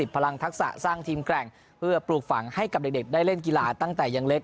พลังทักษะสร้างทีมแกร่งเพื่อปลูกฝังให้กับเด็กได้เล่นกีฬาตั้งแต่ยังเล็ก